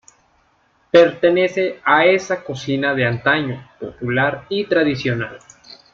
Pertenece a esa cocina de antaño, popular y tradicional.